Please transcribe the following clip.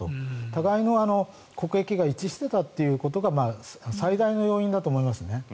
互いの国益が一致していたということが最大の要因だと思いますね。